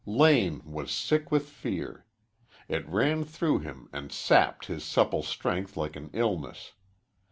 Lane was sick with fear. It ran through him and sapped his supple strength like an illness.